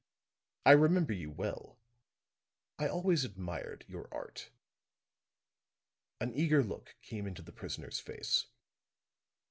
"I remember you well. I always admired your art." An eager look came into the prisoner's face.